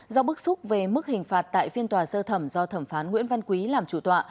do bức xúc về mức hình phạt tại phiên tòa sơ thẩm do thẩm phán nguyễn văn quý làm chủ tọa